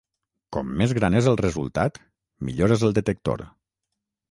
Com més gran és el resultat, millor és el detector.